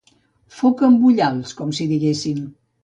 Foca amb ullals, com si diguéssim.